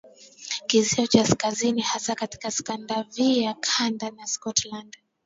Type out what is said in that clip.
Kizio cha Kaskazini hasa katika Scandinavia Kanada na Scotland